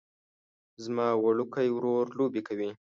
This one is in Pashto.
زما وړوکی ورور لوبې کوي